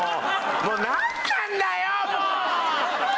もうなんなんだよ！もうー！